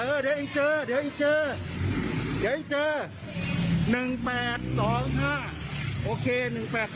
เออเดี๋ยวเองเจอเดี๋ยวเองเจอเดี๋ยวเองเจอ๑๘๒๕